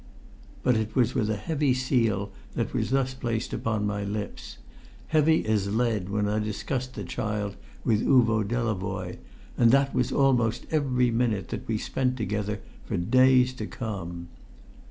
But it was a heavy seal that was thus placed upon my lips; heavy as lead when I discussed the child with Uvo Delavoye; and that was almost every minute that we spent together for days to come.